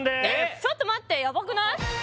ちょっと待ってヤバくない？